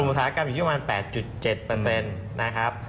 กลุ่มอุตสาหกรรมอยู่ประมาณ๘๗เปอร์เซ็นต์นะครับ